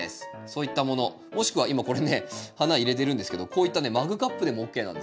そういったものもしくは今これね花入れてるんですけどこういったねマグカップでもＯＫなんですよ。